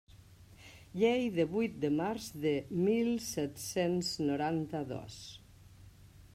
Llei de vuit de març de mil set-cents noranta-dos.